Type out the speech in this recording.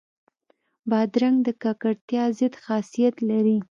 بادرنګ د ککړتیا ضد خاصیت لري.